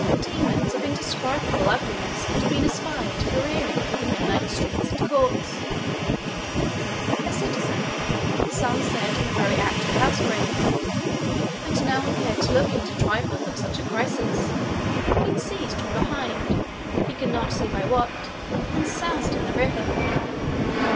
Demons of indescribable ugliness had been espied careering through the midnight streets and courts. A citizen some said in the very act of housebreaking, but no one cared to look into trifles at such a crisis had been seized from behind, he could not see by what, and soused in the river.